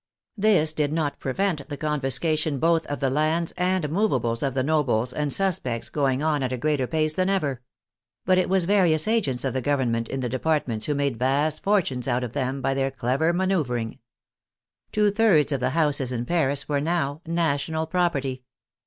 This did not prevent the confiscation both of the lands and movables of the no bles and suspects going on at a greater pace than ever. But it was various agents of the Government in the departments who made vast fortunes out of them by their clever mancEUvring. Two thirds of the houses in Paris were now "national property."